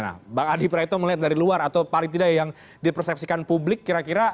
nah bang adi praetno melihat dari luar atau paling tidak yang dipersepsikan publik kira kira